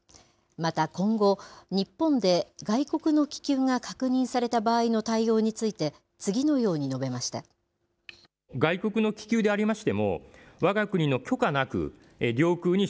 また今後、日本で外国の気球が確認された場合の対応について、次のように述べました。